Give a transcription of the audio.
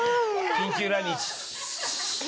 緊急来日。